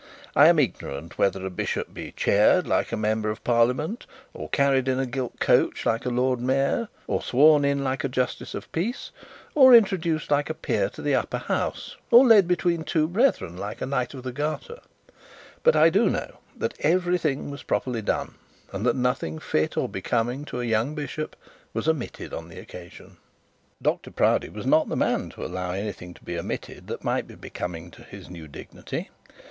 I am ignorant whether a bishop be chaired like a member of parliament, or carried in a gilt coach like a lord mayor, or sworn in like a justice of the peace, or introduced like a peer to the upper house, or led between two brethren like a knight of the garter; but I do know that every thing was properly done, and that nothing fit or becoming to a young bishop was omitted on the occasion. Dr Proudie was not the man to allow anything to be omitted that might be becoming to his new dignity.